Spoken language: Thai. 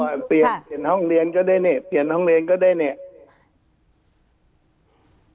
เปลี่ยนห้องเรียนก็ได้เนี่ย